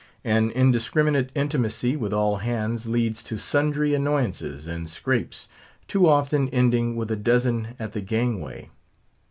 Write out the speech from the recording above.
An indiscriminate intimacy with all hands leads to sundry annoyances and scrapes, too often ending with a dozen at the gang way.